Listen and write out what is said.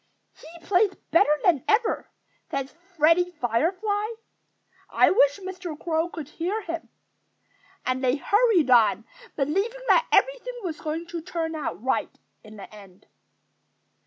"He plays better than ever," said Freddie Firefly. "I wish Mr. Crow could hear him." And they hurried on, believing that everything was going to turn out all right, in the end.